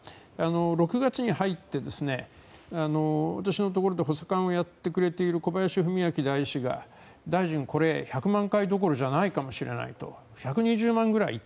６月に入って私のところで補佐官をやってくれている方が大臣、これ１００万回どころじゃないかもしれないと。